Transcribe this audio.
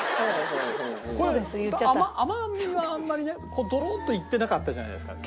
甘みはあんまりねドロッといってなかったじゃないですか。